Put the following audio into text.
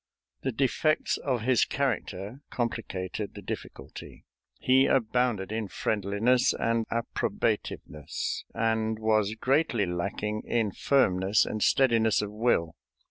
The defects of his character complicated the difficulty. He abounded in friendliness and approbativeness, and was greatly lacking in firmness and steadiness of will.